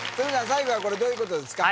最後はこれどういうことですか？